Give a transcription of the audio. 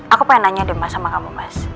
aku pengen nanya deh mas sama kamu mas